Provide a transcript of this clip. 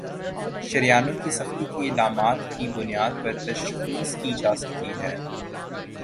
شریانوں کی سختی کی علامات کی بنیاد پر تشخیص کی جاسکتی ہے